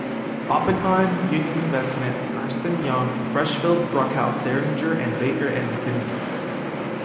Oppenheim, Union Investment, Ernst and Young, Freshfields Bruckhaus Deringer and Baker and McKenzie.